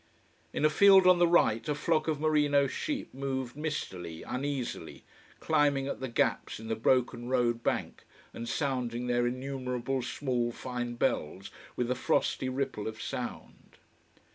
In a field on the right a flock of merino sheep moved mistily, uneasily, climbing at the gaps in the broken road bank, and sounding their innumerable small fine bells with a frosty ripple of sound.